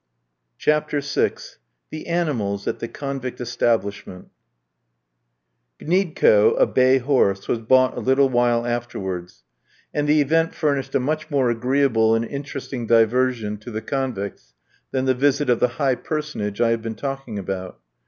CHAPTER VI. THE ANIMALS AT THE CONVICT ESTABLISHMENT Gniedko, a bay horse, was bought a little while afterwards, and the event furnished a much more agreeable and interesting diversion to the convicts than the visit of the high personage I have been talking about.